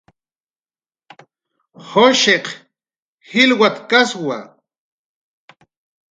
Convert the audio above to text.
Jushiq jilwatkaswa